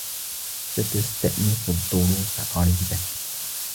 ستستأنف الدروس قريبا.